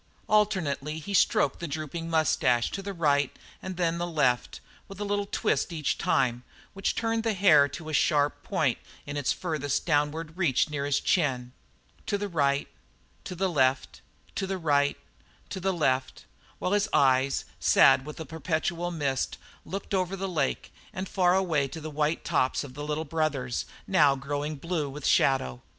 Alternately he stroked the drooping moustache to the right and then to the left, with a little twist each time, which turned the hair to a sharp point in its furthest downward reach near his chin. To the right, to the left, to the right, to the left, while his eyes, sad with a perpetual mist, looked over the lake and far away to the white tops of the Little Brothers, now growing blue with shadow.